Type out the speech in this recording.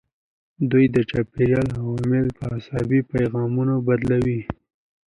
دوی د چاپیریال عوامل په عصبي پیغامونو بدلوي.